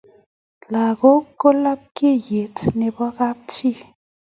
langok ko lapkeiyet nebo kap chii